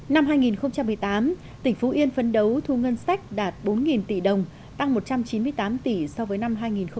năm hai nghìn một mươi tám tỉnh phú yên phấn đấu thu ngân sách đạt bốn tỷ đồng tăng một trăm chín mươi tám tỷ so với năm hai nghìn một mươi bảy